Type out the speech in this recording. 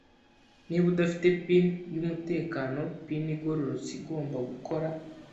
Niba udafite pin yumutekano, pin igororotse igomba gukora.